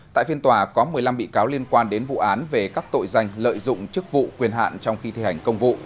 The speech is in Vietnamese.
tại phiên tòa có một mươi năm bị cáo liên quan đến vụ án về các tội danh lợi dụng chức vụ quyền hạn trong khi thi hành công vụ